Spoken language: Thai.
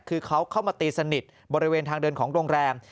คือเขาเข้ามาตีสนิทบริเวณทางเดินของโรงแรม